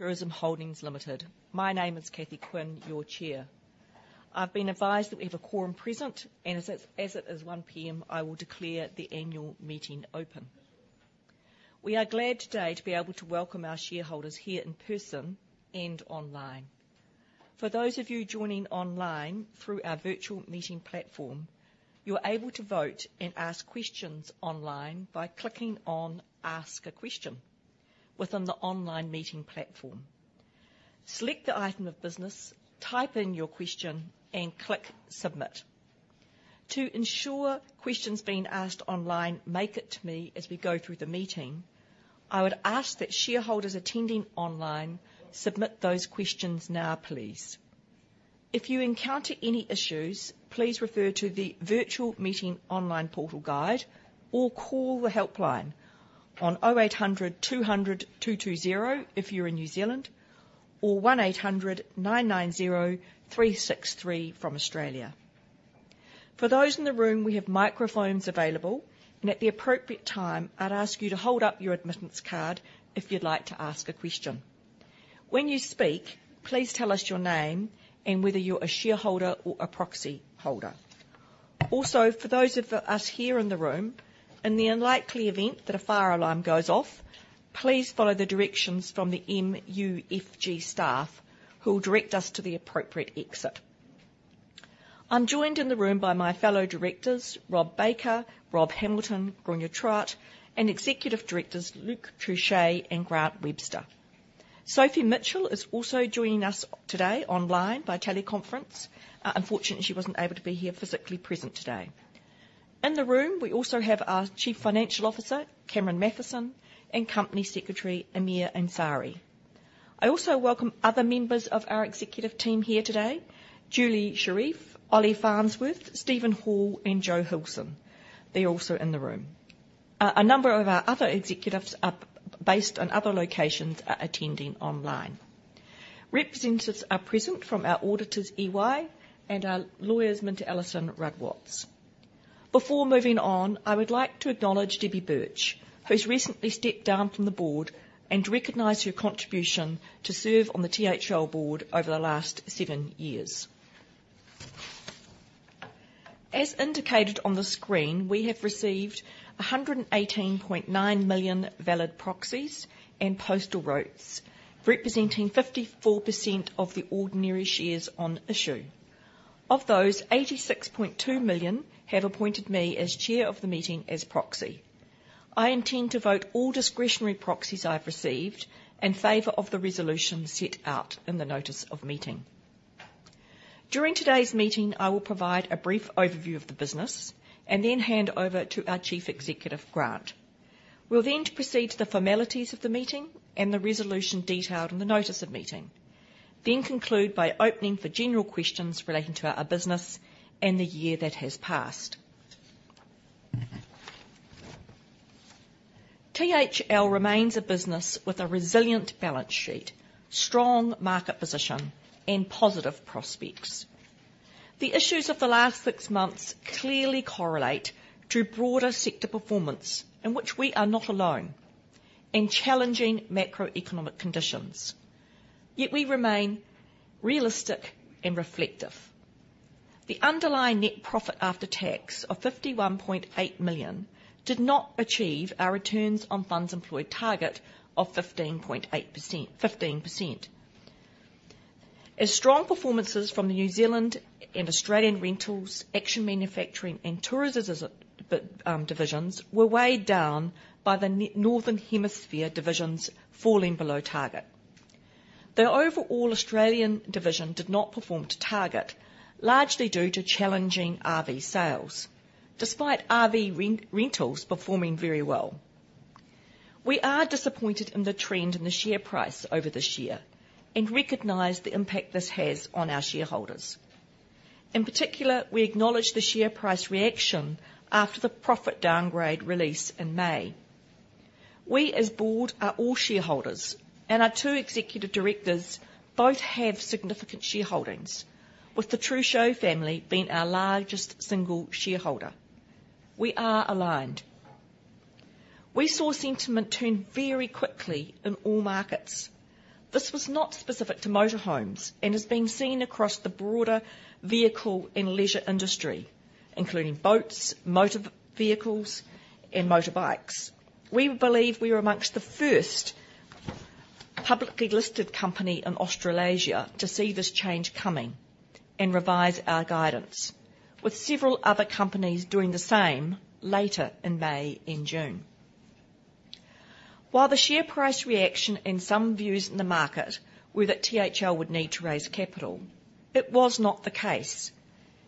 ...Tourism Holdings Limited. My name is Cathy Quinn, your Chair. I've been advised that we have a quorum present, and as it is 1:00 P.M., I will declare the annual meeting open. We are glad today to be able to welcome our shareholders here in person and online. For those of you joining online through our virtual meeting platform, you are able to vote and ask questions online by clicking on Ask a Question within the online meeting platform. Select the item of business, type in your question, and click Submit. To ensure questions being asked online make it to me as we go through the meeting, I would ask that shareholders attending online submit those questions now, please. If you encounter any issues, please refer to the virtual meeting online portal guide, or call the helpline on 0800-200-220 if you're in New Zealand, or one eight hundred nine nine zero three six three from Australia. For those in the room, we have microphones available, and at the appropriate time, I'd ask you to hold up your admittance card if you'd like to ask a question. When you speak, please tell us your name and whether you're a shareholder or a proxy holder. Also, for those of us here in the room, in the unlikely event that a fire alarm goes off, please follow the directions from the MUFG staff, who will direct us to the appropriate exit. I'm joined in the room by my fellow directors, Rob Baker, Rob Hamilton, Gráinne Troute, and Executive Directors Luke Trouchet and Grant Webster. Sophie Mitchell is also joining us today online by teleconference. Unfortunately, she wasn't able to be here physically present today. In the room, we also have our Chief Financial Officer, Cameron Mathewson, and Company Secretary, Amir Ansari. I also welcome other members of our executive team here today, Juhi Shareef, Ollie Farnsworth, Steven Hall, and Jo Allison. They're also in the room. A number of our other executives are based in other locations are attending online. Representatives are present from our auditors, EY, and our lawyers, MinterEllisonRuddWatts. Before moving on, I would like to acknowledge Debbie Birch, who's recently stepped down from the board, and recognize her contribution to serve on the thl board over the last seven years. As indicated on the screen, we have received 118.9 million valid proxies and postal votes, representing 54% of the ordinary shares on issue. Of those, 86.2 million have appointed me as chair of the meeting as proxy. I intend to vote all discretionary proxies I've received in favor of the resolution set out in the notice of meeting. During today's meeting, I will provide a brief overview of the business and then hand over to our Chief Executive, Grant. We'll then proceed to the formalities of the meeting and the resolution detailed in the notice of meeting, then conclude by opening for general questions relating to our business and the year that has passed. thl remains a business with a resilient balance sheet, strong market position, and positive prospects. The issues of the last six months clearly correlate to broader sector performance, in which we are not alone, and challenging macroeconomic conditions, yet we remain realistic and reflective. The underlying net profit after tax of 51.8 million did not achieve our returns on funds employed target of 15.8% to 15%. As strong performances from the New Zealand and Australian rentals, Action Manufacturing, and tourism divisions were weighed down by the Northern Hemisphere divisions falling below target. The overall Australian division did not perform to target, largely due to challenging RV sales, despite RV rentals performing very well. We are disappointed in the trend in the share price over this year and recognize the impact this has on our shareholders. In particular, we acknowledge the share price reaction after the profit downgrade release in May. We, as board, are all shareholders, and our two executive directors both have significant shareholdings, with the Trouchet family being our largest single shareholder. We are aligned. We saw sentiment turn very quickly in all markets. This was not specific to motorhomes and is being seen across the broader vehicle and leisure industry, including boats, motor vehicles, and motorbikes. We believe we are amongst the first publicly listed company in Australasia to see this change coming and revise our guidance, with several other companies doing the same later in May and June. While the share price reaction in some views in the market were that thl would need to raise capital, it was not the case,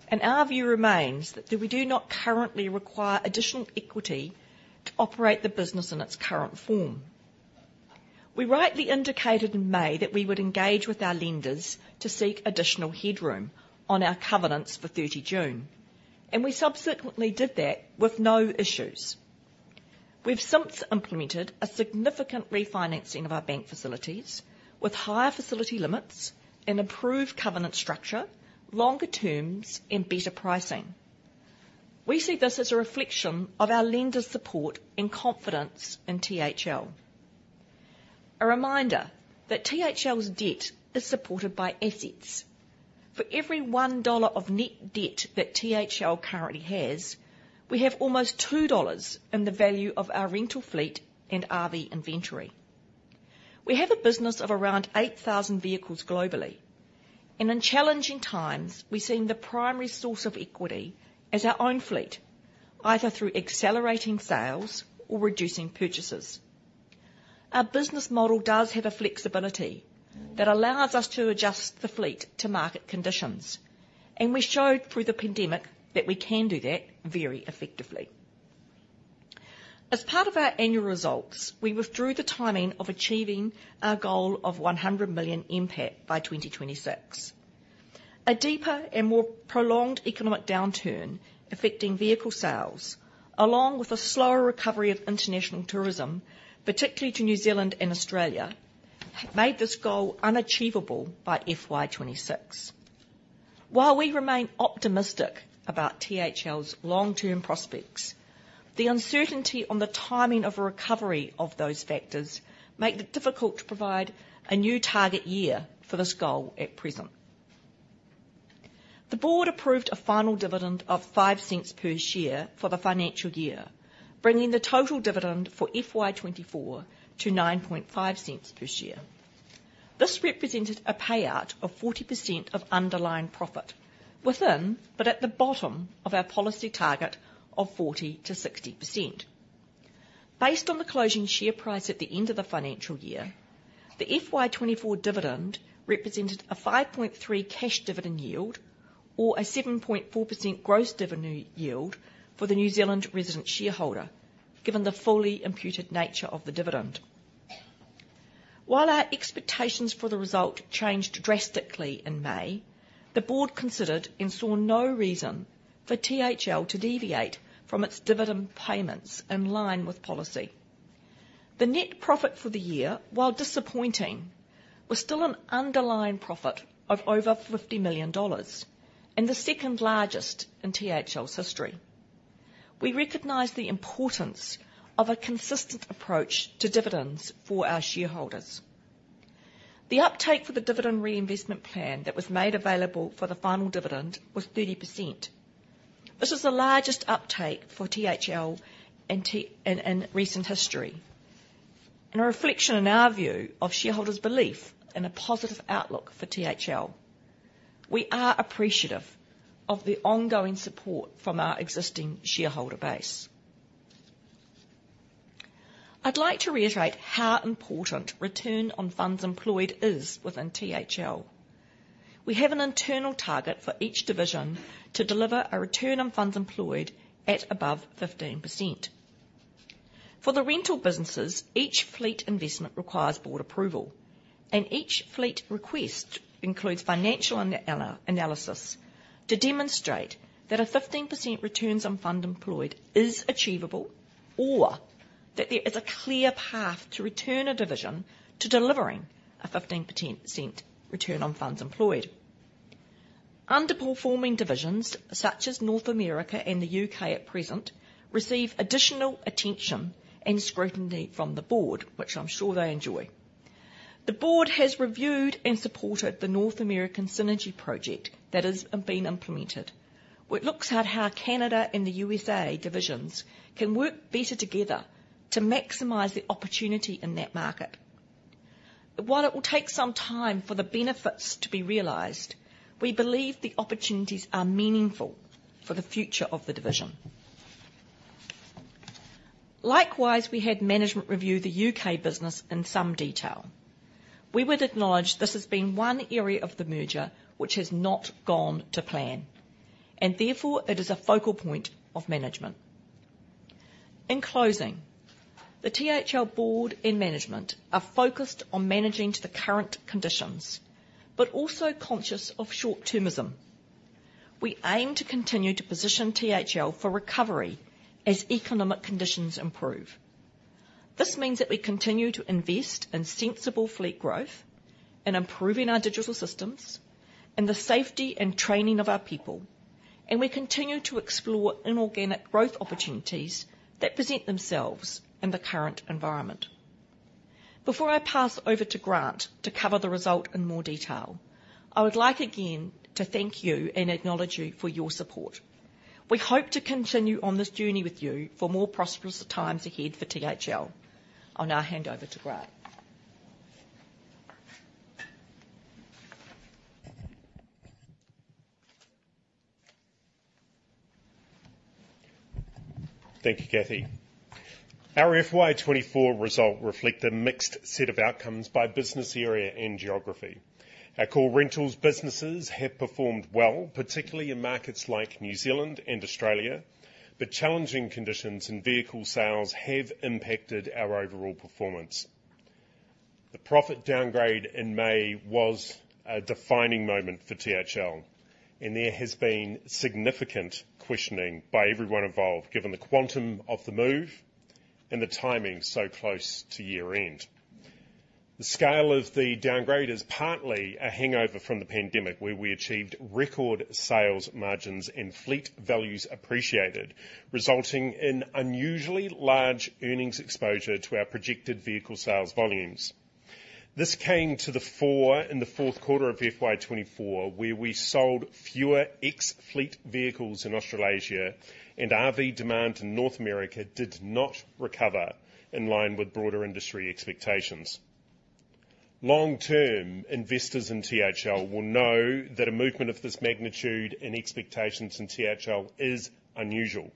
and our view remains that we do not currently require additional equity to operate the business in its current form. We rightly indicated in May that we would engage with our lenders to seek additional headroom on our covenants for 30 June, and we subsequently did that with no issues. We've since implemented a significant refinancing of our bank facilities with higher facility limits and improved covenant structure, longer terms, and better pricing. We see this as a reflection of our lenders' support and confidence in thl. A reminder that thl's debt is supported by assets. For every 1 dollar of net debt that thl currently has, we have almost 2 dollars in the value of our rental fleet and RV inventory. We have a business of around 8,000 vehicles globally, and in challenging times, we've seen the primary source of equity as our own fleet, either through accelerating sales or reducing purchases. Our business model does have a flexibility that allows us to adjust the fleet to market conditions, and we showed through the pandemic that we can do that very effectively. As part of our annual results, we withdrew the timing of achieving our goal of 100 million NPAT by 2026. A deeper and more prolonged economic downturn affecting vehicle sales, along with a slower recovery of international tourism, particularly to New Zealand and Australia, made this goal unachievable by FY 2026. While we remain optimistic about thl's long-term prospects, the uncertainty on the timing of a recovery of those factors make it difficult to provide a new target year for this goal at present. The board approved a final dividend of 0.05 per share for the financial year, bringing the total dividend for FY 2024 to 0.095 per share. This represented a payout of 40% of underlying profit, within, but at the bottom of our policy target of 40% to 60%. Based on the closing share price at the end of the financial year, the FY 2024 dividend represented a 5.3% cash dividend yield, or a 7.4% gross dividend yield for the New Zealand resident shareholder, given the fully imputed nature of the dividend. While our expectations for the result changed drastically in May, the board considered and saw no reason for thl to deviate from its dividend payments in line with policy. The net profit for the year, while disappointing, was still an underlying profit of over 50 million dollars and the second largest in thl's history. We recognize the importance of a consistent approach to dividends for our shareholders. The uptake for the dividend reinvestment plan that was made available for the final dividend was 30%. This is the largest uptake for thl in recent history and a reflection in our view of shareholders' belief in a positive outlook for thl. We are appreciative of the ongoing support from our existing shareholder base. I'd like to reiterate how important return on funds employed is within thl. We have an internal target for each division to deliver a return on funds employed at above 15%. For the rental businesses, each fleet investment requires board approval, and each fleet request includes financial analysis to demonstrate that a 15% return on funds employed is achievable, or that there is a clear path to return a division to delivering a 15% return on funds employed. Underperforming divisions, such as North America and the U.K. at present, receive additional attention and scrutiny from the board, which I'm sure they enjoy. The board has reviewed and supported the North American Synergy Project that is being implemented, which looks at how Canada and the U.S.A. divisions can work better together to maximize the opportunity in that market. While it will take some time for the benefits to be realized, we believe the opportunities are meaningful for the future of the division. Likewise, we had management review the U.K. business in some detail. We would acknowledge this has been one area of the merger which has not gone to plan, and therefore, it is a focal point of management. In closing, the thl board and management are focused on managing to the current conditions, but also conscious of short-termism. We aim to continue to position thl for recovery as economic conditions improve. This means that we continue to invest in sensible fleet growth, in improving our digital systems, in the safety and training of our people, and we continue to explore inorganic growth opportunities that present themselves in the current environment. Before I pass over to Grant to cover the result in more detail, I would like again to thank you and acknowledge you for your support. We hope to continue on this journey with you for more prosperous times ahead for thl. I'll now hand over to Grant. Thank you, Cathy. Our FY 2024 result reflect a mixed set of outcomes by business area and geography. Our core rentals businesses have performed well, particularly in markets like New Zealand and Australia, but challenging conditions in vehicle sales have impacted our overall performance. The profit downgrade in May was a defining moment for thl, and there has been significant questioning by everyone involved, given the quantum of the move and the timing so close to year-end. The scale of the downgrade is partly a hangover from the pandemic, where we achieved record sales margins and fleet values appreciated, resulting in unusually large earnings exposure to our projected vehicle sales volumes. This came to the fore in the fourth quarter of FY 2024, where we sold fewer ex-fleet vehicles in Australasia, and RV demand in North America did not recover in line with broader industry expectations. Long-term investors in thl will know that a movement of this magnitude and expectations in thl is unusual.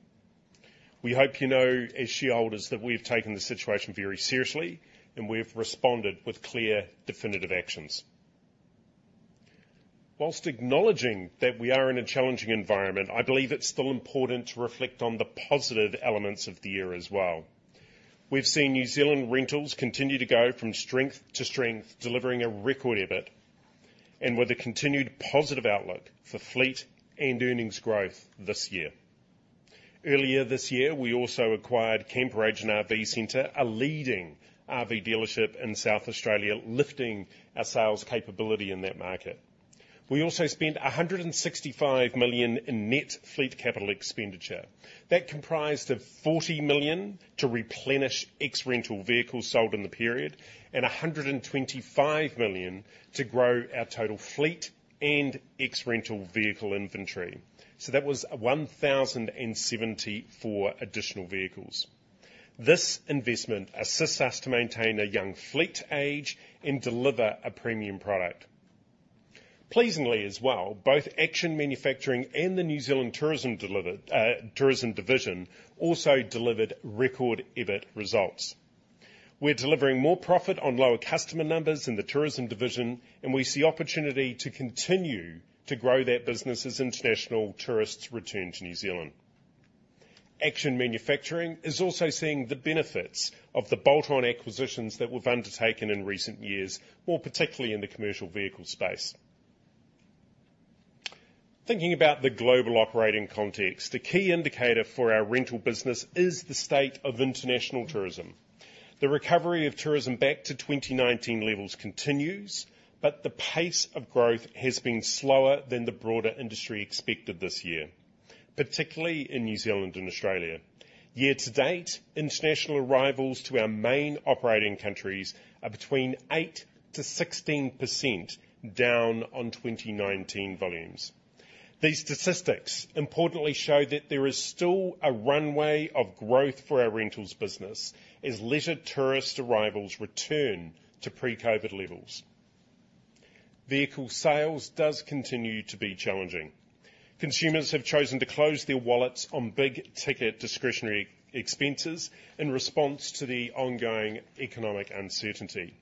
We hope you know, as shareholders, that we've taken the situation very seriously, and we've responded with clear, definitive actions. While acknowledging that we are in a challenging environment, I believe it's still important to reflect on the positive elements of the year as well. We've seen New Zealand Rentals continue to go from strength to strength, delivering a record EBIT, and with a continued positive outlook for fleet and earnings growth this year. Earlier this year, we also acquired Camperagent RV Centre, a leading RV dealership in South Australia, lifting our sales capability in that market. We also spent 165 million in net fleet capital expenditure. That comprised of 40 million to replenish ex-rental vehicles sold in the period, and 125 million to grow our total fleet and ex-rental vehicle inventory. So that was 1,074 additional vehicles. This investment assists us to maintain a young fleet age and deliver a premium product. Pleasingly as well, both Action Manufacturing and the New Zealand Tourism Division also delivered record EBIT results. We're delivering more profit on lower customer numbers in the tourism division, and we see opportunity to continue to grow that business as international tourists return to New Zealand. Action Manufacturing is also seeing the benefits of the bolt-on acquisitions that we've undertaken in recent years, more particularly in the commercial vehicle space. Thinking about the global operating context, a key indicator for our rental business is the state of international tourism. The recovery of tourism back to 2019 levels continues, but the pace of growth has been slower than the broader industry expected this year, particularly in New Zealand and Australia. Year to date, international arrivals to our main operating countries are between 8% to 16% down on 2019 volumes. These statistics importantly show that there is still a runway of growth for our rentals business as leisure tourist arrivals return to pre-COVID levels. Vehicle sales does continue to be challenging. Consumers have chosen to close their wallets on big-ticket discretionary expenses in response to the ongoing economic uncertainty.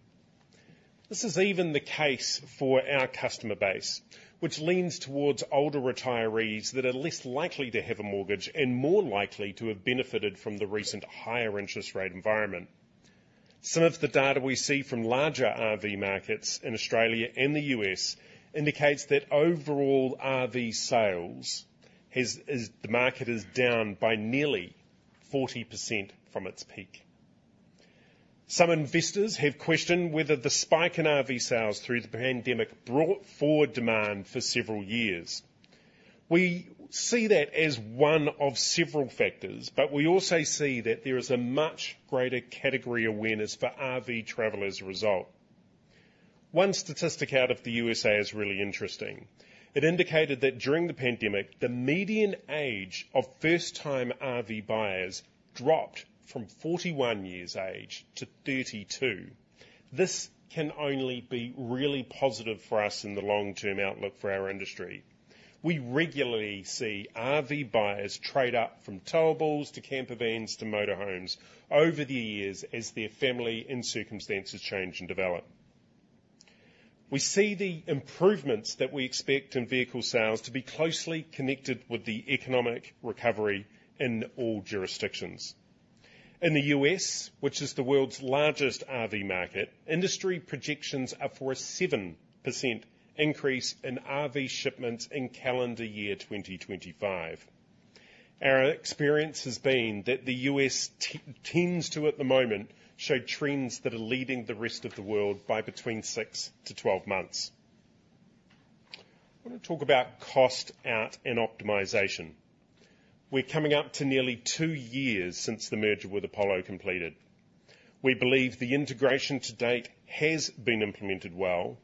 This is even the case for our customer base, which leans towards older retirees that are less likely to have a mortgage and more likely to have benefited from the recent higher interest rate environment. Some of the data we see from larger RV markets in Australia and the U.S. indicates that overall RV sales is. The market is down by nearly 40% from its peak. Some investors have questioned whether the spike in RV sales through the pandemic brought forward demand for several years. We see that as one of several factors, but we also see that there is a much greater category awareness for RV travel as a result. One statistic out of the U.S.A. is really interesting. It indicated that during the pandemic, the median age of first-time RV buyers dropped from 41 years of age to 32. This can only be really positive for us in the long-term outlook for our industry. We regularly see RV buyers trade up from towables to camper vans to motor homes over the years as their family and circumstances change and develop. We see the improvements that we expect in vehicle sales to be closely connected with the economic recovery in all jurisdictions. In the U.S., which is the world's largest RV market, industry projections are for a 7% increase in RV shipments in calendar year 2025. Our experience has been that the U.S. tends to, at the moment, show trends that are leading the rest of the world by between six to 12 months. I want to talk about cost out and optimization. We're coming up to nearly two years since the merger with Apollo completed. We believe the integration to date has been implemented well,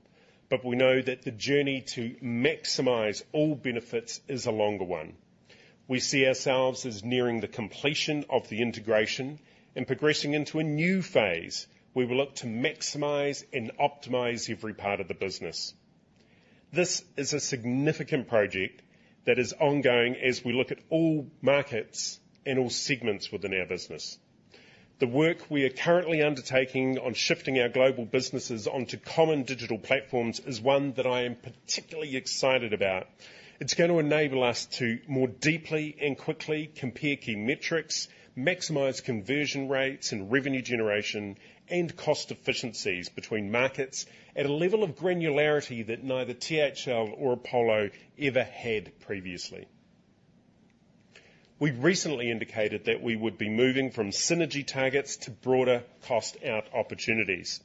but we know that the journey to maximize all benefits is a longer one. We see ourselves as nearing the completion of the integration and progressing into a new phase, where we will look to maximize and optimize every part of the business. This is a significant project that is ongoing as we look at all markets and all segments within our business. The work we are currently undertaking on shifting our global businesses onto common digital platforms is one that I am particularly excited about. It's going to enable us to more deeply and quickly compare key metrics, maximize conversion rates and revenue generation, and cost efficiencies between markets at a level of granularity that neither thl or Apollo ever had previously. We recently indicated that we would be moving from synergy targets to broader cost-out opportunities.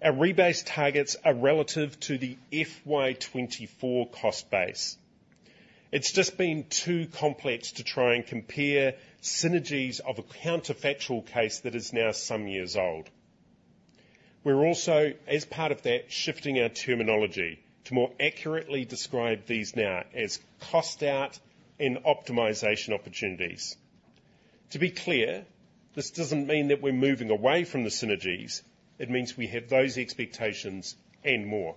Our rebase targets are relative to the FY 2024 cost base. It's just been too complex to try and compare synergies of a counterfactual case that is now some years old. We're also, as part of that, shifting our terminology to more accurately describe these now as cost out and optimization opportunities. To be clear, this doesn't mean that we're moving away from the synergies. It means we have those expectations and more.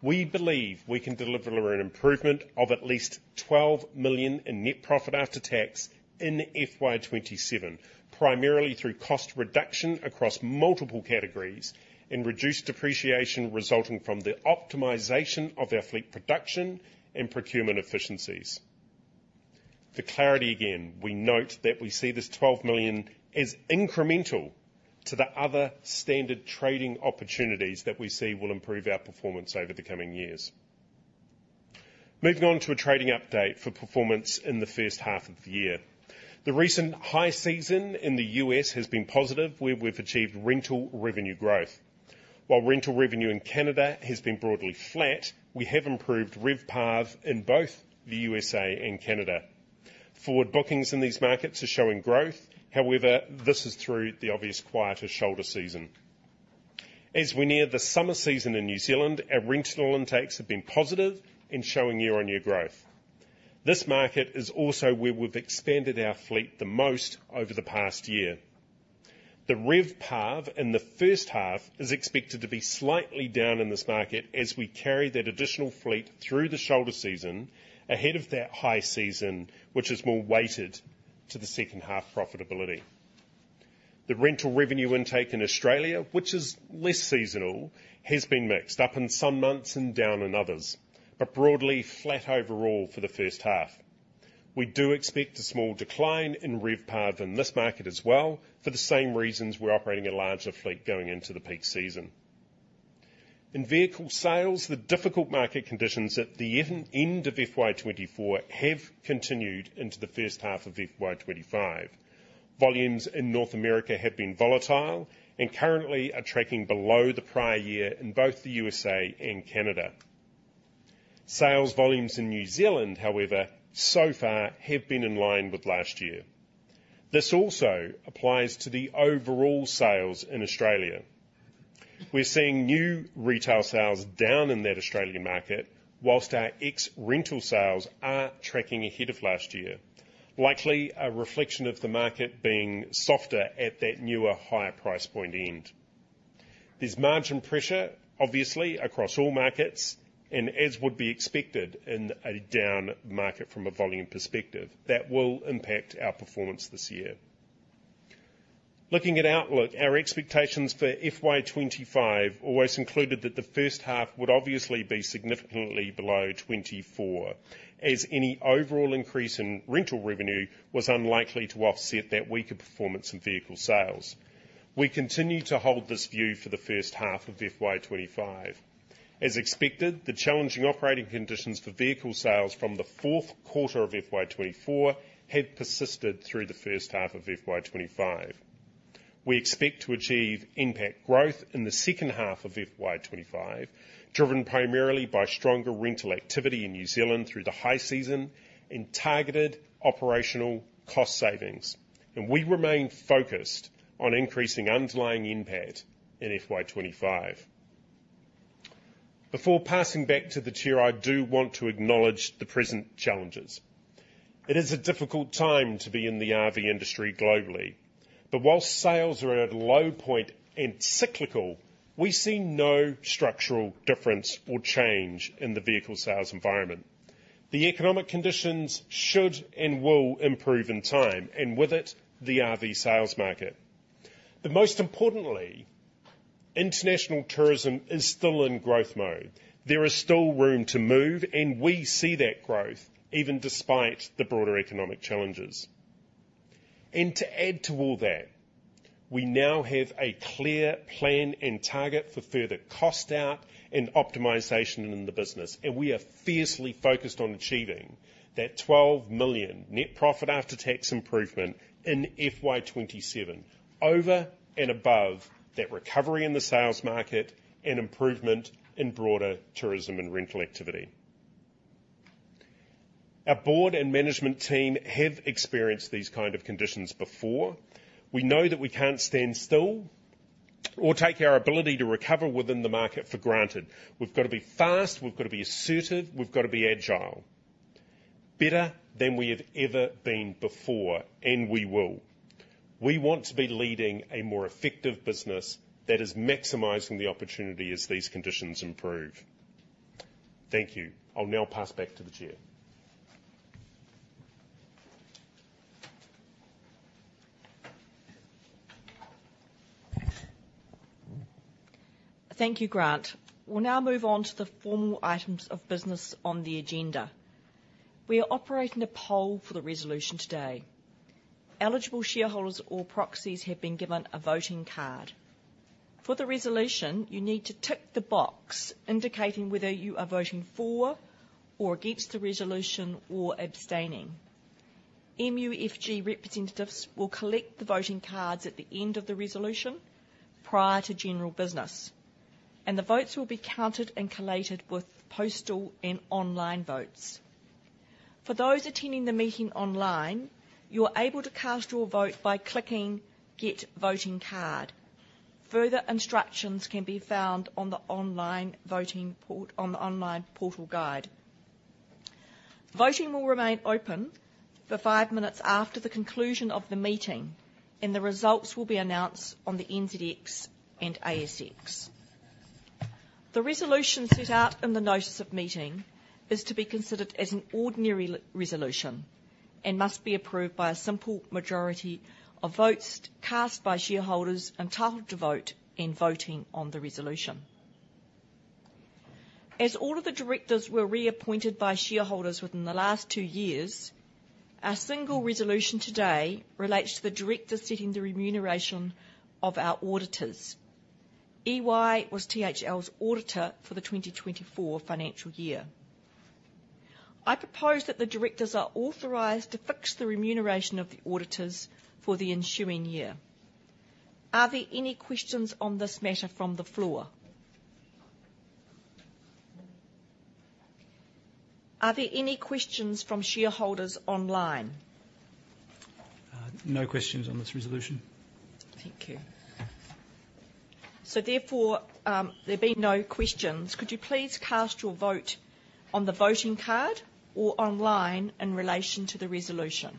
We believe we can deliver an improvement of at least 12 million in net profit after tax in FY 2027, primarily through cost reduction across multiple categories and reduced depreciation resulting from the optimization of our fleet production and procurement efficiencies. For clarity again, we note that we see this 12 million as incremental to the other standard trading opportunities that we see will improve our performance over the coming years. Moving on to a trading update for performance in the first half of the year. The recent high season in the U.S. has been positive, where we've achieved rental revenue growth. While rental revenue in Canada has been broadly flat, we have improved RevPAR in both the U.S.A. and Canada. Forward bookings in these markets are showing growth. However, this is through the obvious quieter shoulder season. As we near the summer season in New Zealand, our rental intakes have been positive and showing year-on-year growth. This market is also where we've expanded our fleet the most over the past year. The RevPAR in the first half is expected to be slightly down in this market as we carry that additional fleet through the shoulder season ahead of that high season, which is more weighted to the second half profitability. The rental revenue intake in Australia, which is less seasonal, has been mixed, up in some months and down in others, but broadly flat overall for the first half. We do expect a small decline in RevPAR in this market as well, for the same reasons we're operating a larger fleet going into the peak season. In vehicle sales, the difficult market conditions at the end of FY 2024 have continued into the first half of FY 2025. Volumes in North America have been volatile and currently are tracking below the prior year in both the U.S.A. and Canada. Sales volumes in New Zealand, however, so far have been in line with last year. This also applies to the overall sales in Australia. We're seeing new retail sales down in that Australian market, while our ex-rental sales are tracking ahead of last year, likely a reflection of the market being softer at that newer, higher price point end. There's margin pressure, obviously, across all markets, and as would be expected in a down market from a volume perspective, that will impact our performance this year. Looking at outlook, our expectations for FY 2025 always included that the first half would obviously be significantly below twenty-four, as any overall increase in rental revenue was unlikely to offset that weaker performance in vehicle sales. We continue to hold this view for the first half of FY 2025. As expected, the challenging operating conditions for vehicle sales from the fourth quarter of FY 2024 have persisted through the first half of FY 2025. We expect to achieve NPAT growth in the second half of FY 2025, driven primarily by stronger rental activity in New Zealand through the high season and targeted operational cost savings. And we remain focused on increasing underlying NPAT in FY 2025. Before passing back to the Chair, I do want to acknowledge the present challenges. It is a difficult time to be in the RV industry globally, but whilst sales are at a low point and cyclical, we see no structural difference or change in the vehicle sales environment. The economic conditions should and will improve in time, and with it, the RV sales market. But most importantly, international tourism is still in growth mode. There is still room to move, and we see that growth even despite the broader economic challenges. And to add to all that, we now have a clear plan and target for further cost out and optimization in the business, and we are fiercely focused on achieving that twelve million net profit after tax improvement in FY 2027, over and above that recovery in the sales market and improvement in broader tourism and rental activity. Our board and management team have experienced these kind of conditions before. We know that we can't stand still or take our ability to recover within the market for granted. We've got to be fast, we've got to be assertive, we've got to be agile, better than we have ever been before, and we will. We want to be leading a more effective business that is maximizing the opportunity as these conditions improve. Thank you. I'll now pass back to the Chair. Thank you, Grant. We'll now move on to the formal items of business on the agenda. We are operating a poll for the resolution today. Eligible shareholders or proxies have been given a voting card. For the resolution, you need to tick the box indicating whether you are voting for or against the resolution or abstaining. MUFG representatives will collect the voting cards at the end of the resolution prior to general business, and the votes will be counted and collated with postal and online votes. For those attending the meeting online, you are able to cast your vote by clicking Get Voting Card. Further instructions can be found on the online voting portal, on the online portal guide. Voting will remain open for five minutes after the conclusion of the meeting, and the results will be announced on the NZX and ASX. The resolution set out in the notice of meeting is to be considered as an ordinary resolution, and must be approved by a simple majority of votes cast by shareholders entitled to vote and voting on the resolution. As all of the directors were reappointed by shareholders within the last two years, our single resolution today relates to the directors setting the remuneration of our auditors. EY was thl's auditor for the 2024 financial year. I propose that the directors are authorized to fix the remuneration of the auditors for the ensuing year. Are there any questions on this matter from the floor? Are there any questions from shareholders online? No questions on this resolution. Thank you. So therefore, there being no questions, could you please cast your vote on the voting card or online in relation to the resolution?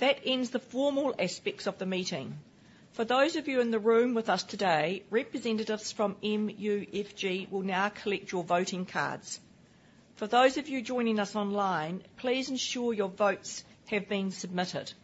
That ends the formal aspects of the meeting. For those of you in the room with us today, representatives from MUFG will now collect your voting cards. For those of you joining us online, please ensure your votes have been submitted.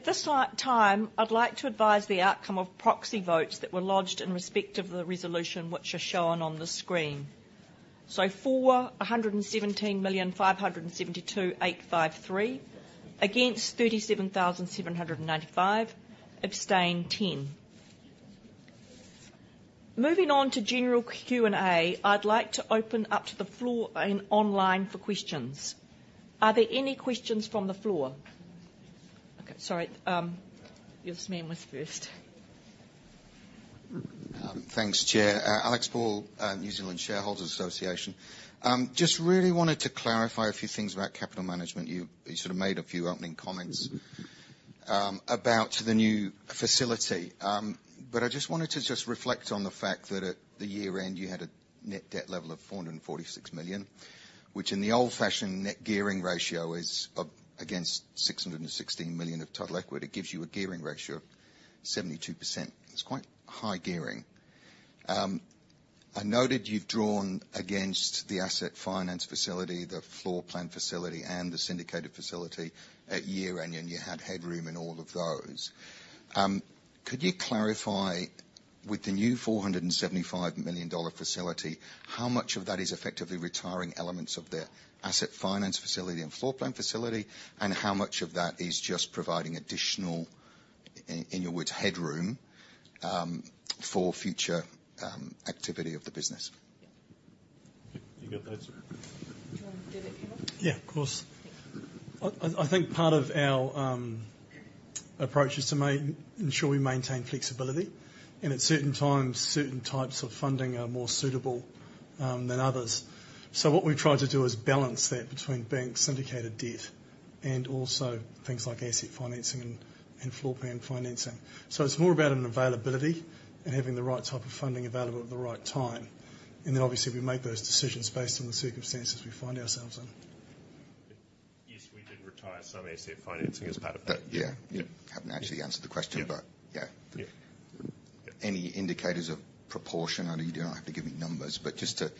At this time, I'd like to advise the outcome of proxy votes that were lodged in respect of the resolution, which are shown on the screen. So for 117,572,853, against 37,795, abstained 10. Moving on to general Q&A, I'd like to open up to the floor and online for questions. Are there any questions from the floor? Okay, sorry. Yes, this man was first. Thanks, Chair. Alex Paul, New Zealand Shareholders Association. Just really wanted to clarify a few things about capital management. You sort of made a few opening comments about the new facility, but I just wanted to reflect on the fact that at the year-end, you had a net debt level of 446 million, which in the old-fashioned net gearing ratio is up against 616 million of total equity. It gives you a gearing ratio of 72%. It's quite high gearing. I noted you've drawn against the asset finance facility, the floor plan facility, and the syndicated facility at year-end, and you had headroom in all of those. Could you clarify, with the new 475 million dollar facility, how much of that is effectively retiring elements of the asset finance facility and floor plan facility, and how much of that is just providing additional, in your words, headroom, for future, activity of the business? You got that, sir? Do you want to do that, Kevin? Yeah, of course. Thank you. I think part of our approach is to ensure we maintain flexibility, and at certain times, certain types of funding are more suitable than others. So what we've tried to do is balance that between bank syndicated debt and also things like asset financing and floor plan financing. So it's more about an availability and having the right type of funding available at the right time. And then obviously, we make those decisions based on the circumstances we find ourselves in. Yes, we did retire some asset financing as part of that. Yeah. Yeah. Haven't actually answered the question, but- Yeah. Yeah. Yeah. Any indicators of proportion? I know you don't have to give me numbers, but just to-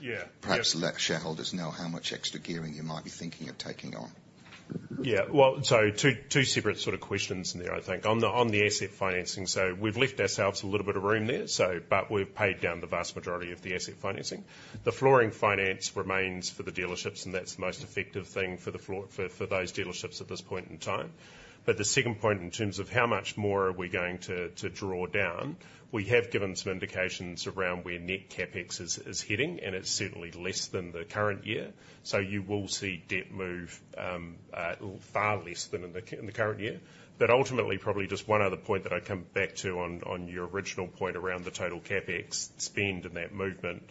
Yeah... perhaps let shareholders know how much extra gearing you might be thinking of taking on. Yeah. Well, so two separate sort of questions in there, I think. On the asset financing, so we've left ourselves a little bit of room there, so, but we've paid down the vast majority of the asset financing. The floor plan finance remains for the dealerships, and that's the most effective thing for the floor plan for those dealerships at this point in time. But the second point, in terms of how much more are we going to draw down, we have given some indications around where net CapEx is heading, and it's certainly less than the current year. So you will see debt move far less than in the current year. But ultimately, probably just one other point that I'd come back to on your original point around the total CapEx spend and that movement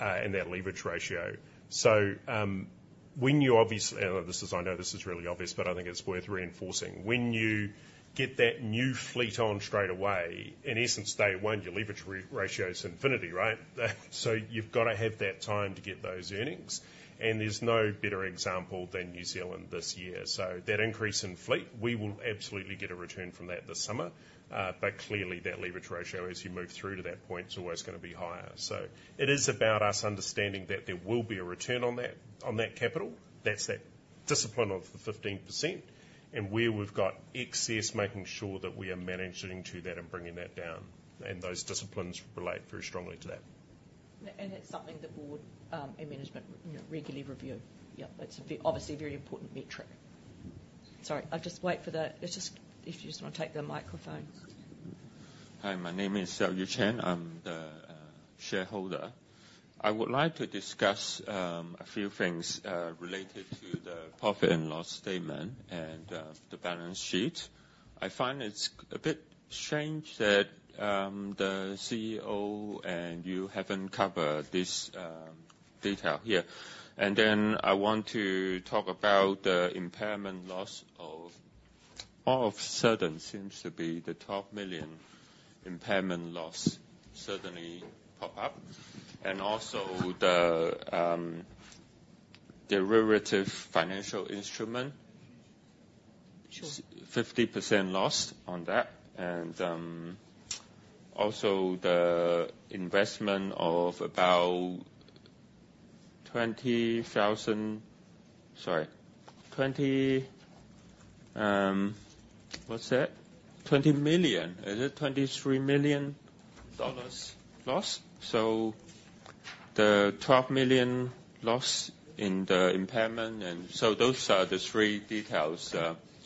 and that leverage ratio. So, when you obviously, this is I know this is really obvious, but I think it's worth reinforcing. When you get that new fleet on straight away, in essence, day one, your leverage ratio is infinity, right? So you've gotta have that time to get those earnings, and there's no better example than New Zealand this year. So that increase in fleet, we will absolutely get a return from that this summer. But clearly, that leverage ratio, as you move through to that point, is always gonna be higher. So it is about us understanding that there will be a return on that, on that capital. That's that discipline of the 15%, and where we've got excess, making sure that we are managing to that and bringing that down, and those disciplines relate very strongly to that. It's something the board and management, you know, regularly review. Yeah, that's obviously a very important metric. Sorry, I'll just wait for the... Let's just, if you just wanna take the microphone. Hi, my name is Xiaoyu Chen. I'm the shareholder. I would like to discuss a few things related to the profit and loss statement and the balance sheet. I find it's a bit strange that the CEO and you haven't covered this detail here. And then, I want to talk about the impairment loss. All of a sudden, seems to be the 12 million impairment loss suddenly pop up. And also, the derivative financial instrument. Sure. 50% loss on that, and also the investment of about 20 thousand. Sorry, 20, what's that? 20 million, is it 23 million dollars loss? So the 12 million loss in the impairment, and so those are the three details.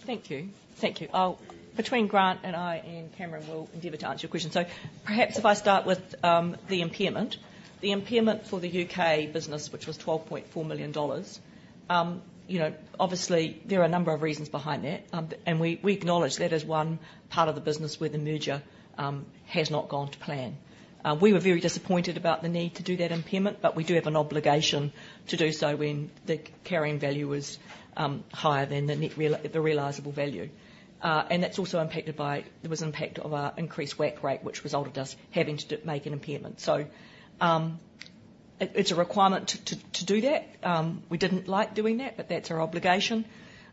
Thank you. Thank you. I'll, between Grant and I, and Cameron, we'll endeavor to answer your question. So perhaps if I start with the impairment. The impairment for the U.K. business, which was 12.4 million dollars, you know, obviously, there are a number of reasons behind that. And we acknowledge that is one part of the business where the merger has not gone to plan. We were very disappointed about the need to do that impairment, but we do have an obligation to do so when the carrying value is higher than the net realisable value. And that's also impacted by, there was an impact of our increased WACC rate, which resulted us having to do make an impairment. So it it's a requirement to do that. We didn't like doing that, but that's our obligation.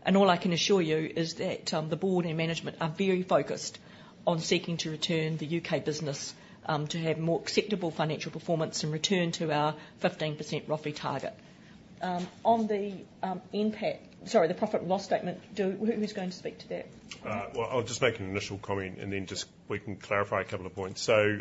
And all I can assure you is that the board and management are very focused on seeking to return the U.K. business to have more acceptable financial performance and return to our 15% ROFE target. On the impact... Sorry, the profit and loss statement, who's going to speak to that? I'll just make an initial comment, and then we can clarify a couple of points. So,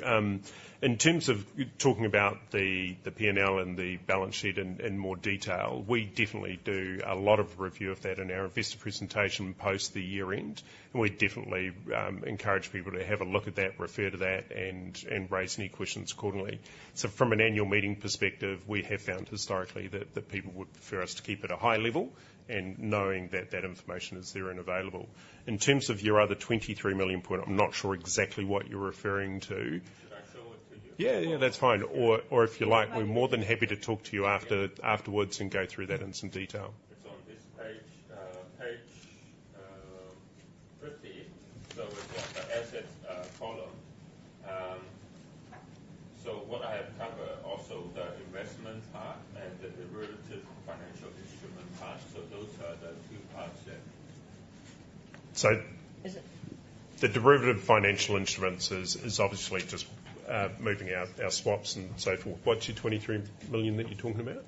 in terms of talking about the P&L and the balance sheet in more detail, we definitely do a lot of review of that in our investor presentation post the year-end. And we'd definitely encourage people to have a look at that, refer to that, and raise any questions accordingly. So from an annual meeting perspective, we have found historically that people would prefer us to keep it a high level, and knowing that that information is there and available. In terms of your other 23 million point, I'm not sure exactly what you're referring to. Should I show it to you? Yeah, yeah, that's fine. Or, if you like, we're more than happy to talk to you afterwards and go through that in some detail. It's on this page, page 50. So it's on the assets, column. So what I have covered, also the investment part and the derivative financial instrument part, so those are the two parts there. So- Is it-... the derivative financial instruments is obviously just moving our swaps and so forth. What's your 23 million that you're talking about?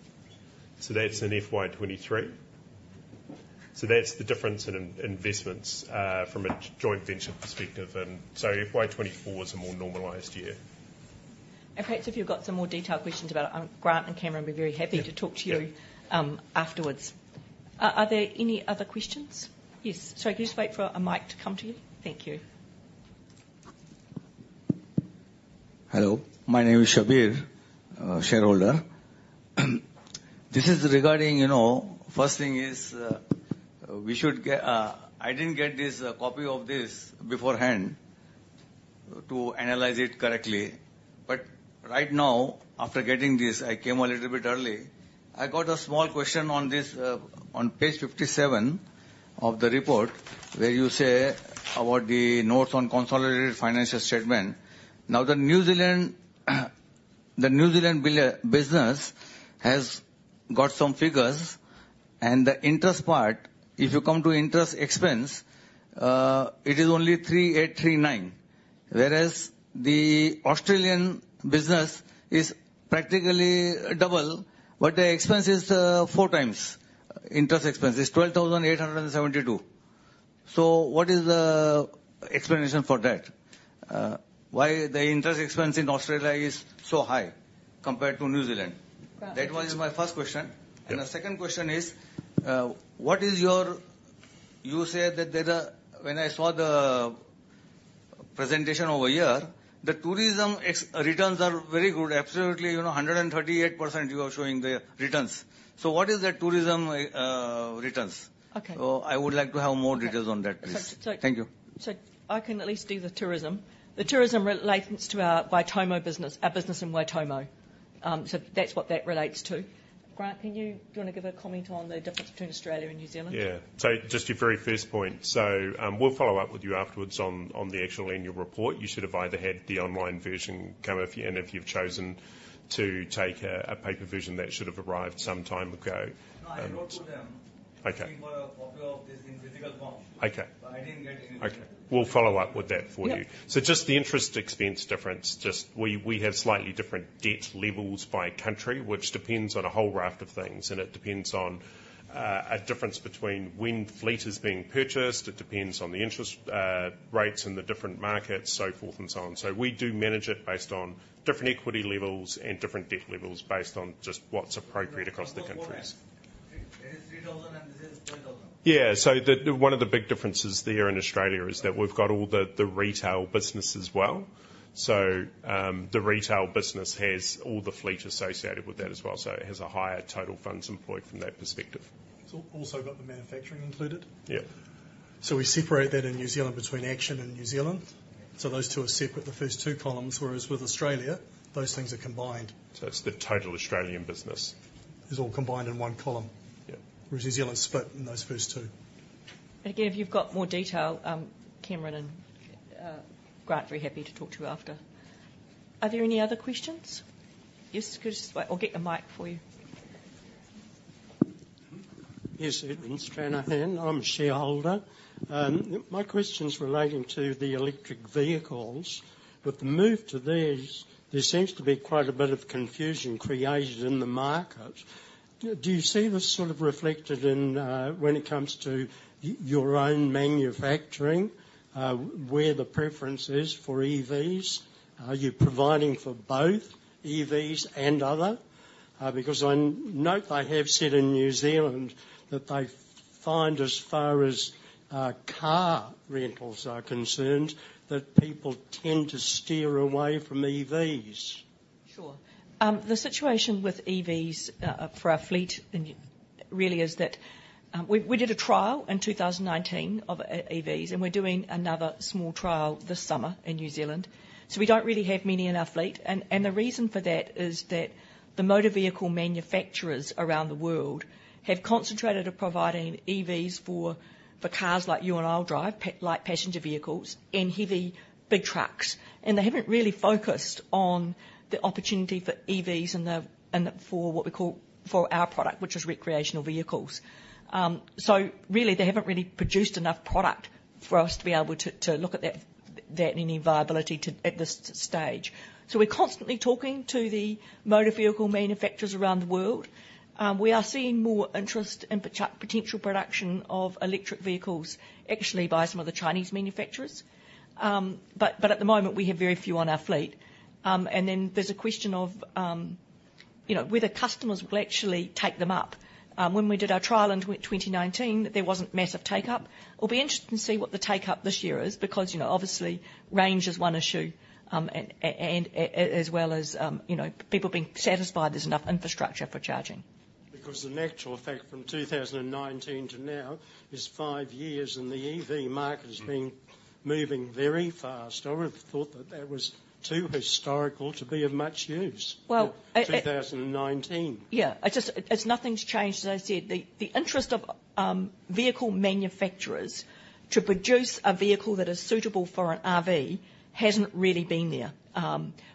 So that's in FY 2023. So that's the difference in investments from a joint venture perspective. And so FY 2024 is a more normalized year. Perhaps if you've got some more detailed questions about it, Grant and Cameron will be very happy. Yeah. -to talk to you, afterwards. Are there any other questions? Yes. Sorry, can you just wait for a mic to come to you? Thank you. Hello, my name is Shabir, shareholder. This is regarding, you know, first thing is, I didn't get this copy of this beforehand to analyze it correctly, but right now, after getting this, I came a little bit early. I got a small question on this, on page 57 of the report, where you say about the notes on consolidated financial statement. Now, the New Zealand, the New Zealand pillar, business has got some figures, and the interest part, if you come to interest expense, it is only 3,893. Whereas the Australian business is practically double, but the expense is, four times. Interest expense is 12,872. So what is the explanation for that? Why the interest expense in Australia is so high compared to New Zealand? Grant- That was my first question. Yeah. The second question is, what is your... You said that there are. When I saw the presentation over here, the tourism experiences returns are very good. Absolutely, you know, 138%, you are showing the returns. So what is the tourism experiences returns. Okay. So I would like to have more details on that, please. So, so- Thank you. I can at least do the tourism. The tourism relates to our Waitomo business, our business in Waitomo. That's what that relates to. Grant, do you wanna give a comment on the difference between Australia and New Zealand? Yeah. So just your very first point: so, we'll follow up with you afterwards on the actual annual report. You should have either had the online version come, if and if you've chosen to take a paper version, that should have arrived some time ago. No, I wrote to them. Okay. Asking for a copy of this in physical form. Okay. But I didn't get anything. Okay. We'll follow up with that for you. Yeah. So just the interest expense difference, just we have slightly different debt levels by country, which depends on a whole raft of things, and it depends on a difference between when fleet is being purchased. It depends on the interest rates in the different markets, so forth and so on. So we do manage it based on different equity levels and different debt levels based on just what's appropriate across the countries. One more thing. It is 3,000, and this is 10,000? Yeah. So the one of the big differences there in Australia is that we've got all the retail business as well. So the retail business has all the fleet associated with that as well, so it has a higher total funds employed from that perspective. It's also got the manufacturing included? Yeah. So we separate that in New Zealand between Action and New Zealand, so those two are separate, the first two columns, whereas with Australia, those things are combined. It's the total Australian business. Is all combined in one column. Yeah. Where New Zealand's split in those first two. Again, if you've got more detail, Cameron and Grant, very happy to talk to you after. Are there any other questions? Yes, could you just wait? I'll get the mic for you. Yes, Edmund Stranaghan. I'm a shareholder. My question's relating to the electric vehicles, but the move to these, there seems to be quite a bit of confusion created in the market. Do you see this sort of reflected in, when it comes to your own manufacturing, where the preference is for EVs? Are you providing for both EVs and other? Because I note they have said in New Zealand that they find, as far as car rentals are concerned, that people tend to steer away from EVs. Sure. The situation with EVs for our fleet, and really is that we did a trial in two thousand and nineteen of EVs, and we're doing another small trial this summer in New Zealand, so we don't really have many in our fleet. And the reason for that is that the motor vehicle manufacturers around the world have concentrated on providing EVs for cars like you and I'll drive, like passenger vehicles and heavy big trucks, and they haven't really focused on the opportunity for EVs and for what we call for our product, which is recreational vehicles. So really, they haven't really produced enough product for us to be able to look at that any viability to at this stage. So we're constantly talking to the motor vehicle manufacturers around the world. We are seeing more interest in potential production of electric vehicles, actually by some of the Chinese manufacturers, but at the moment, we have very few on our fleet, and then there's a question of, you know, whether customers will actually take them up. When we did our trial in 2019, there wasn't massive take-up. We'll be interested to see what the take-up this year is, because, you know, obviously, range is one issue, and as well as, you know, people being satisfied there's enough infrastructure for charging. Because the actual fact from 2019 to now is five years, and the EV market- Mm-hmm. Has been moving very fast. I would've thought that that was too historical to be of much use. Well, it- Two thousand and nineteen. Yeah. I just. It's nothing's changed, as I said. The interest of vehicle manufacturers to produce a vehicle that is suitable for an RV hasn't really been there.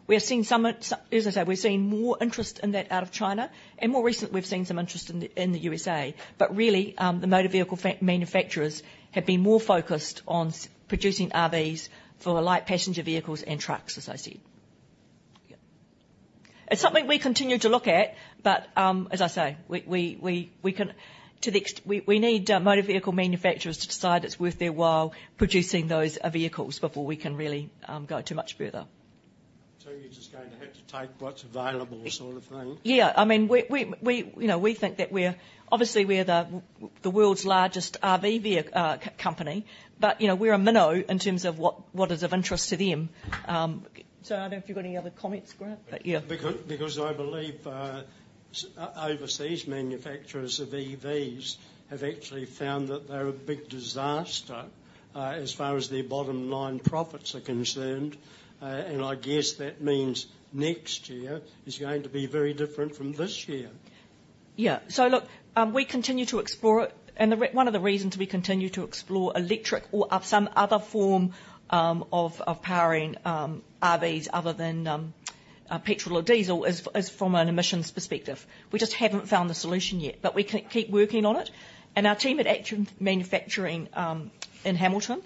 We have seen some, as I say, we've seen more interest in that out of China, and more recently, we've seen some interest in the U.S.A. But really, the motor vehicle manufacturers have been more focused on producing RVs for light passenger vehicles and trucks, as I said. Yeah. It's something we continue to look at, but, as I say, we need motor vehicle manufacturers to decide it's worth their while producing those vehicles before we can really go too much further. So you're just going to have to take what's available, sort of thing? Yeah. I mean, you know, we think that we're obviously, we're the world's largest RV company, but, you know, we're a minnow in terms of what is of interest to them. So I don't know if you've got any other comments, Grant, but yeah. Because I believe, overseas manufacturers of EVs have actually found that they're a big disaster, as far as their bottom line profits are concerned, and I guess that means next year is going to be very different from this year. Yeah. So look, we continue to explore, and one of the reasons we continue to explore electric or some other form of powering RVs other than petrol or diesel is from an emissions perspective. We just haven't found the solution yet, but we keep working on it, and our team at Action Manufacturing in Hamilton,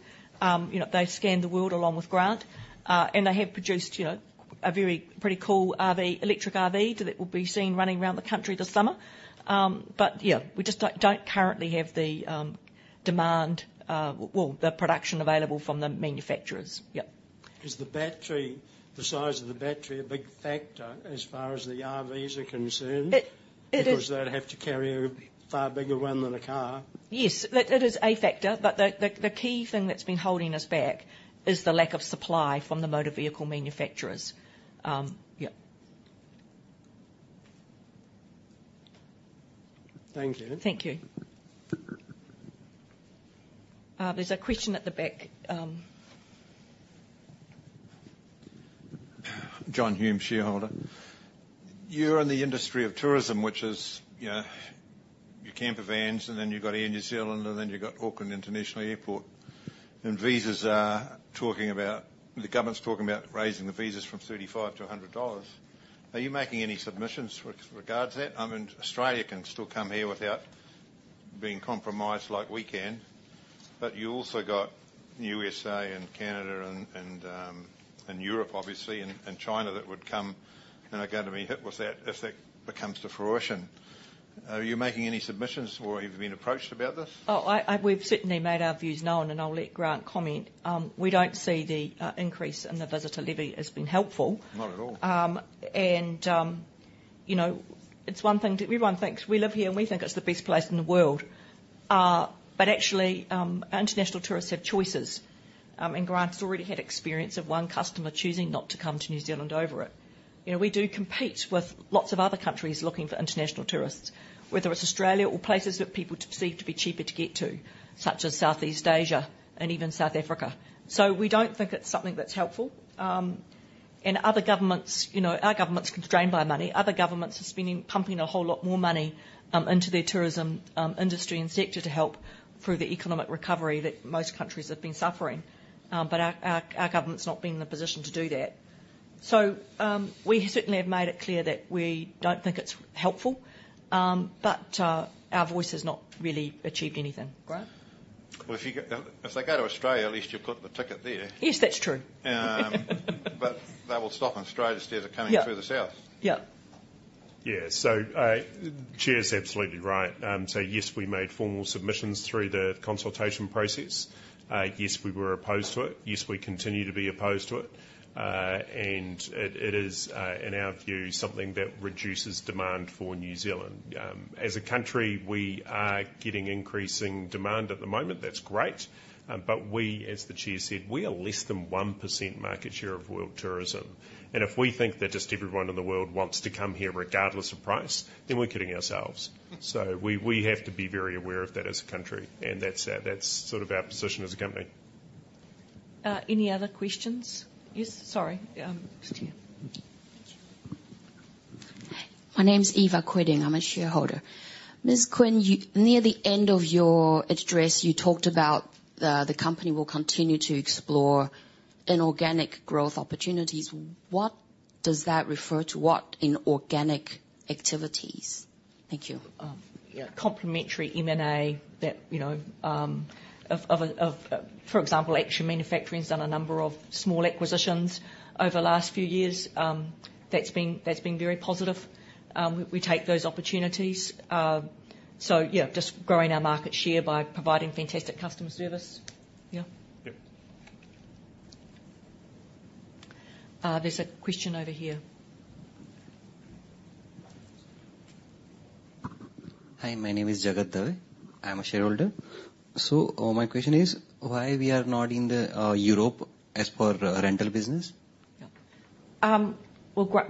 you know, they've scanned the world along with Grant, and they have produced, you know, a very pretty cool RV, electric RV, that will be seen running around the country this summer. But yeah, we just don't currently have the demand, well, the production available from the manufacturers. Yeah. Is the battery, the size of the battery a big factor as far as the RVs are concerned? It is. Because they'd have to carry a far bigger one than a car. Yes, it is a factor, but the key thing that's been holding us back is the lack of supply from the motor vehicle manufacturers.... Thank you. Thank you. There's a question at the back. You're in the industry of tourism, which is, you know, your camper vans, and then you've got Air New Zealand, and then you've got Auckland International Airport. And the government's talking about raising the visas from 35 to 100 dollars. Are you making any submissions with regards to that? I mean, Australia can still come here without being compromised like we can, but you also got U.S.A. and Canada and Europe, obviously, and China that would come, and they're going to be hit with that, if that comes to fruition. Are you making any submissions, or have you been approached about this? Oh, we've certainly made our views known, and I'll let Grant comment. We don't see the increase in the visitor levy as being helpful. Not at all. You know, it's one thing to... Everyone thinks we live here, and we think it's the best place in the world. But actually, our international tourists have choices. And Grant's already had experience of one customer choosing not to come to New Zealand over it. You know, we do compete with lots of other countries looking for international tourists, whether it's Australia or places that people perceive to be cheaper to get to, such as Southeast Asia and even South Africa. So we don't think it's something that's helpful. And other governments, you know, our government's constrained by money. Other governments are spending, pumping a whole lot more money into their tourism industry and sector to help through the economic recovery that most countries have been suffering. But our government's not been in the position to do that. We certainly have made it clear that we don't think it's helpful, but our voice has not really achieved anything. Grant? Well, if they go to Australia, at least you've got the ticket there. Yes, that's true. But they will stop in Australia instead of- Yeah Coming through the south. Yeah. Yeah. So Chair's absolutely right, so yes, we made formal submissions through the consultation process. Yes, we were opposed to it. Yes, we continue to be opposed to it, and it is, in our view, something that reduces demand for New Zealand. As a country, we are getting increasing demand at the moment. That's great, but we, as the Chair said, are less than 1% market share of world tourism. If we think that just everyone in the world wants to come here regardless of price, then we're kidding ourselves. Mm-hmm. So we have to be very aware of that as a country, and that's, that's sort of our position as a company. Any other questions? Yes, sorry, just here. My name is Eva Quiding. I'm a shareholder. Ms. Quinn, you near the end of your address, you talked about, the company will continue to explore inorganic growth opportunities. What does that refer to? What inorganic activities? Thank you. Oh, yeah. Complementary M&A that, you know, for example, Action Manufacturing's done a number of small acquisitions over the last few years. That's been very positive. We take those opportunities. So yeah, just growing our market share by providing fantastic customer service. Yeah. Yeah. There's a question over here. Hi, my name is Jagat Dave. I'm a shareholder. So, my question is, why we are not in the, Europe as per rental business? Yeah. Well,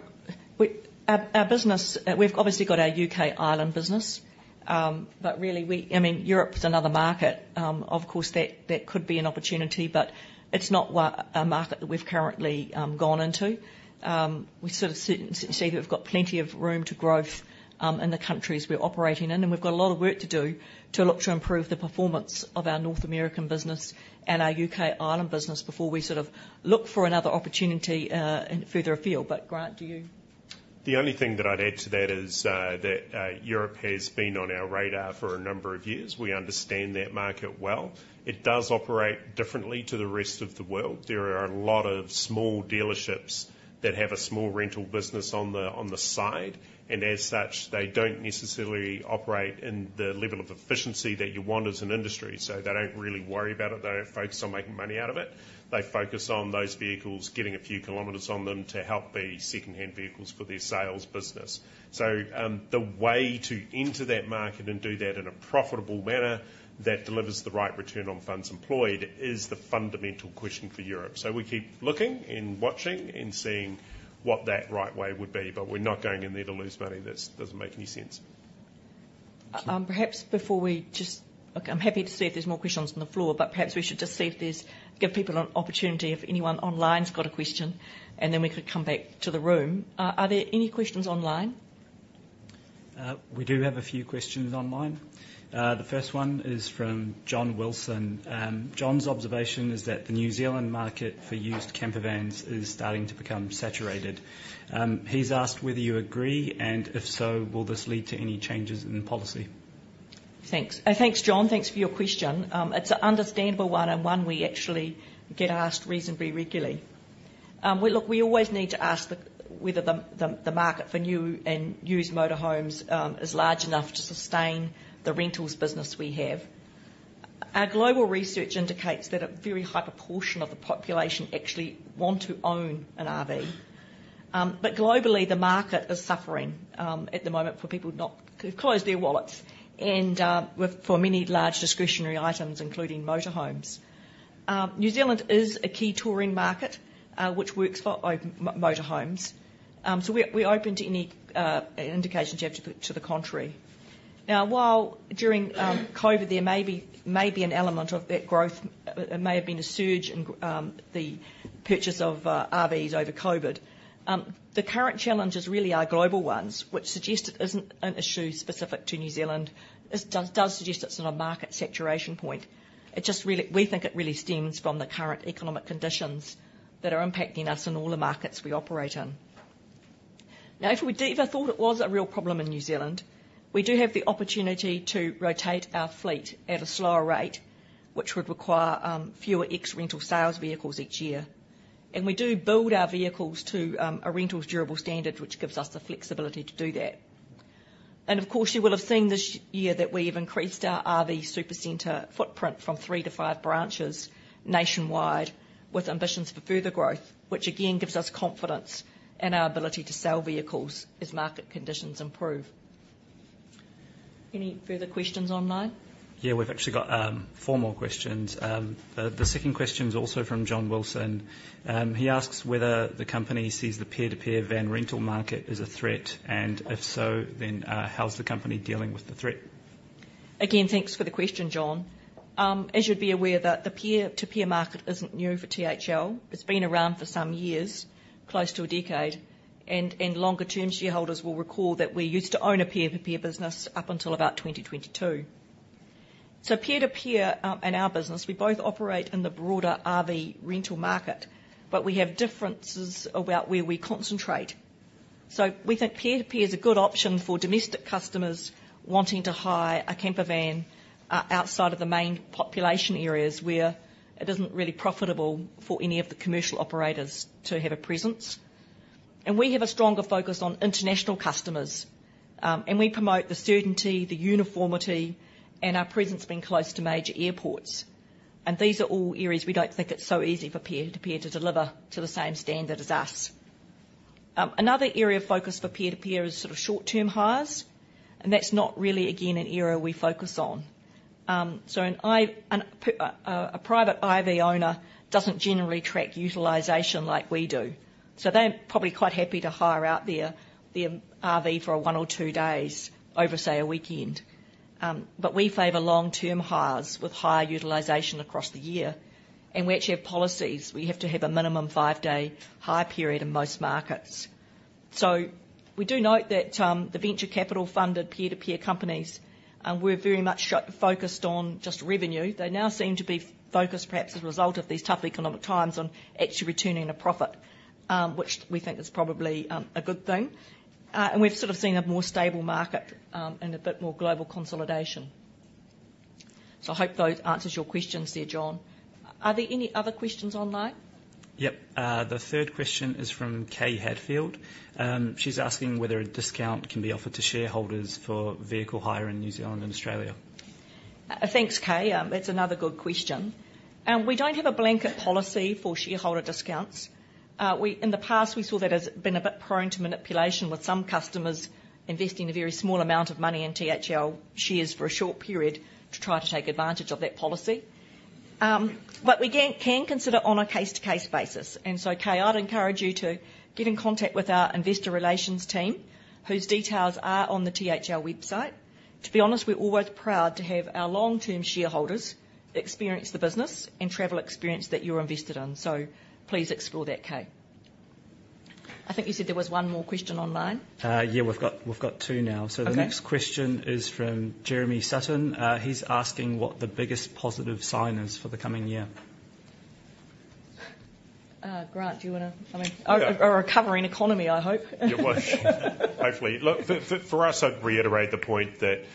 we, our business, we've obviously got our U.K., Ireland business. But really, I mean, Europe is another market. Of course, that could be an opportunity, but it's not a market that we've currently gone into. We sort of see that we've got plenty of room to grow in the countries we're operating in, and we've got a lot of work to do to look to improve the performance of our North American business and our U.K., Ireland business before we sort of look for another opportunity and further afield. But Grant, do you? The only thing that I'd add to that is, that Europe has been on our radar for a number of years. We understand that market well. It does operate differently to the rest of the world. There are a lot of small dealerships that have a small rental business on the side, and as such, they don't necessarily operate in the level of efficiency that you want as an industry. So they don't really worry about it. They don't focus on making money out of it. They focus on those vehicles, getting a few kilometers on them to help the secondhand vehicles for their sales business. So, the way to enter that market and do that in a profitable manner that delivers the right return on funds employed is the fundamental question for Europe. We keep looking and watching and seeing what that right way would be, but we're not going in there to lose money. That doesn't make any sense. I'm happy to see if there's more questions from the floor, but perhaps we should just see if there's, give people an opportunity, if anyone online's got a question, and then we could come back to the room. Are there any questions online? We do have a few questions online. The first one is from John Wilson. John's observation is that the New Zealand market for used camper vans is starting to become saturated. He's asked whether you agree, and if so, will this lead to any changes in policy? Thanks. Thanks, John. Thanks for your question. It's an understandable one, and one we actually get asked reasonably regularly. Well, look, we always need to ask whether the market for new and used motor homes is large enough to sustain the rentals business we have. Our global research indicates that a very high proportion of the population actually want to own an RV. But globally, the market is suffering at the moment for people have closed their wallets, and for many large discretionary items, including motor homes. New Zealand is a key touring market, which works for motor homes. So we're open to any indications you have to put to the contrary. Now, while during COVID, there may be an element of that growth. There may have been a surge in the purchase of RVs over COVID. The current challenges really are global ones, which suggest it isn't an issue specific to New Zealand. It does suggest it's in a market saturation point. It just really, we think it really stems from the current economic conditions that are impacting us in all the markets we operate in. Now, if we do ever thought it was a real problem in New Zealand, we do have the opportunity to rotate our fleet at a slower rate, which would require fewer ex-rental sales vehicles each year. And we do build our vehicles to a rental's durable standard, which gives us the flexibility to do that. Of course, you will have seen this year that we have increased our RV Super Centre footprint from three to five branches nationwide, with ambitions for further growth, which, again, gives us confidence in our ability to sell vehicles as market conditions improve. Any further questions online? Yeah, we've actually got four more questions. The second question is also from John Wilson. He asks whether the company sees the peer-to-peer van rental market as a threat, and if so, then how's the company dealing with the threat? Again, thanks for the question, John. As you'd be aware, the peer-to-peer market isn't new for thl. It's been around for some years, close to a decade, and longer-term shareholders will recall that we used to own a peer-to-peer business up until about 2022. So peer-to-peer, in our business, we both operate in the broader RV rental market, but we have differences about where we concentrate. So we think peer-to-peer is a good option for domestic customers wanting to hire a camper van outside of the main population areas, where it isn't really profitable for any of the commercial operators to have a presence. And we have a stronger focus on international customers, and we promote the certainty, the uniformity, and our presence being close to major airports. These are all areas we don't think it's so easy for peer-to-peer to deliver to the same standard as us. Another area of focus for peer-to-peer is sort of short-term hires, and that's not really, again, an area we focus on. So a private RV owner doesn't generally track utilization like we do, so they're probably quite happy to hire out their RV for one or two days over, say, a weekend. But we favor long-term hires with higher utilization across the year, and we actually have policies. We have to have a minimum five-day hire period in most markets. So we do note that the venture capital-funded peer-to-peer companies were very much short-focused on just revenue. They now seem to be focused, perhaps as a result of these tough economic times, on actually returning a profit, which we think is probably a good thing, and we've sort of seen a more stable market and a bit more global consolidation, so I hope those answers your questions there, John. Are there any other questions online? Yep. The third question is from Kay Hadfield. She's asking whether a discount can be offered to shareholders for vehicle hire in New Zealand and Australia. Thanks, Kay. That's another good question. We don't have a blanket policy for shareholder discounts. In the past, we saw that as being a bit prone to manipulation, with some customers investing a very small amount of money in thl shares for a short period to try to take advantage of that policy. But we can consider on a case-to-case basis. And so, Kay, I'd encourage you to get in contact with our investor relations team, whose details are on the thl website. To be honest, we're always proud to have our long-term shareholders experience the business and travel experience that you're invested in, so please explore that, Kay. I think you said there was one more question online. Yeah, we've got two now. Okay. So the next question is from Jeremy Sutton. He's asking what the biggest positive sign is for the coming year. Grant, do you wanna, I mean- Yeah. A recovering economy, I hope. You wish. Hopefully. Look, for us, I'd reiterate the point that,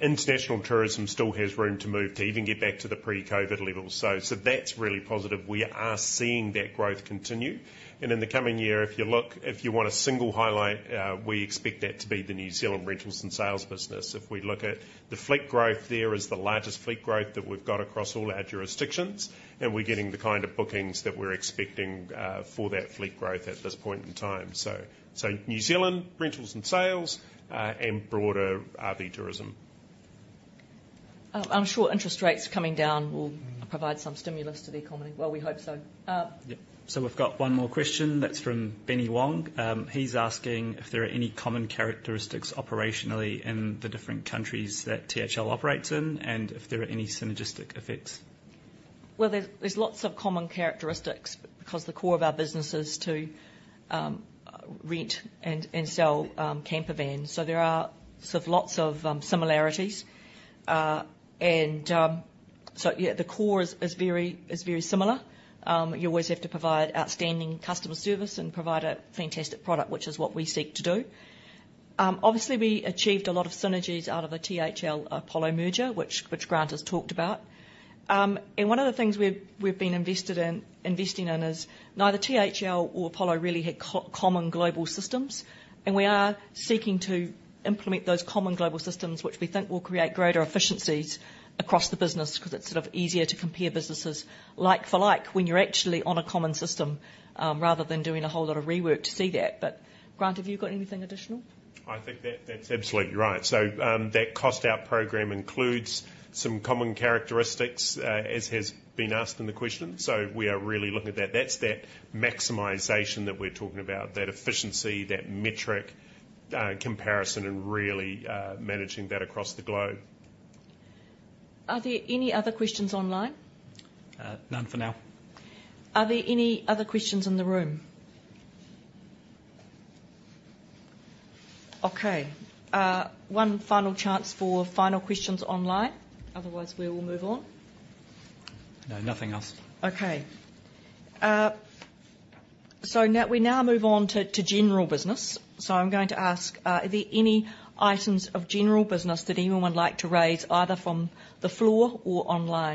international tourism still has room to move to even get back to the pre-COVID levels. So, so that's really positive. We are seeing that growth continue, and in the coming year, if you look... If you want a single highlight, we expect that to be the New Zealand rentals and sales business. If we look at the fleet growth there, is the largest fleet growth that we've got across all our jurisdictions, and we're getting the kind of bookings that we're expecting, for that fleet growth at this point in time. So, so New Zealand rentals and sales, and broader RV tourism. I'm sure interest rates coming down will- Mm-hmm Provide some stimulus to the economy. Well, we hope so. Yep. So we've got one more question that's from Benny Wong. He's asking if there are any common characteristics operationally in the different countries that thl operates in, and if there are any synergistic effects. Well, there, there's lots of common characteristics, because the core of our business is to rent and sell camper vans. So there are sort of lots of similarities. And so yeah, the core is very similar. You always have to provide outstanding customer service and provide a fantastic product, which is what we seek to do. Obviously, we achieved a lot of synergies out of the thl Apollo merger, which Grant has talked about. And one of the things we've been investing in is neither thl or Apollo really had common global systems, and we are seeking to implement those common global systems, which we think will create greater efficiencies across the business, 'cause it's sort of easier to compare businesses like for like when you're actually on a common system, rather than doing a whole lot of rework to see that. But Grant, have you got anything additional? I think that, that's absolutely right. So, that cost-out program includes some common characteristics, as has been asked in the question, so we are really looking at that. That's that maximization that we're talking about, that efficiency, that metric, comparison, and really, managing that across the globe. Are there any other questions online? None for now. Are there any other questions in the room? Okay, one final chance for final questions online. Otherwise, we will move on. No, nothing else. Okay. So now, we move on to general business. So I'm going to ask, are there any items of general business that anyone would like to raise, either from the floor or online?